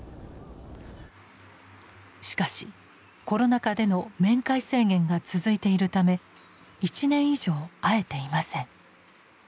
しかしコロナ禍での面会制限が続いているため１年以上会えていません。